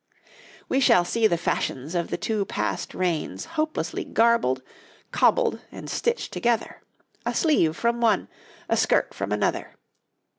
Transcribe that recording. ] We shall see the fashions of the two past reigns hopelessly garbled, cobbled, and stitched together; a sleeve from one, a skirt from another.